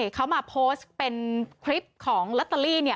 เขามาโพสต์เป็นคลิปของลอตเตอรี่